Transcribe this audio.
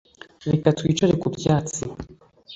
reka twicare ku byatsi